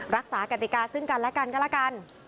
รักษากฎิกาซึ่งกันละกันก็ละกัน